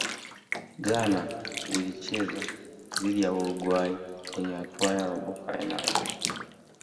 ghana ilicheza dhidi ya uruguay kwenye hatua ya robo fainali